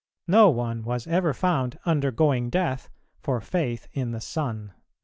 "No one was ever found undergoing death for faith in the sun."